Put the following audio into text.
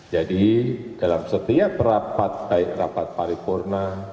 jadi dalam setiap rapat baik rapat paripurna